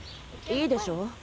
いいでしょ？